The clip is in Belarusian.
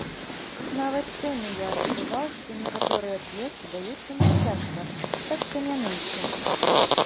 Нават сёння я адчуваў, што некаторыя п'есы даюцца мне цяжка, так што не ныйце.